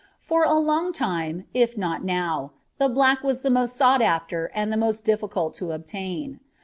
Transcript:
For a long time, if not now, the black was the most sought after and the most difficult to obtain.